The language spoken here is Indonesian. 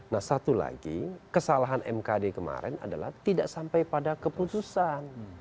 nah satu lagi kesalahan mkd kemarin adalah tidak sampai pada keputusan